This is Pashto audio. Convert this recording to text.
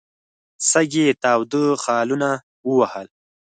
سږ یې تاوده خالونه ووهل.